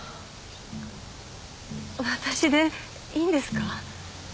私でいいんですか？